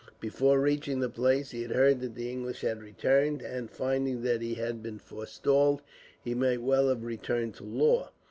Before reaching the place, he had heard that the English had returned; and, finding that he had been forestalled, he might well have returned to Law.